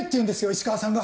石川さんが！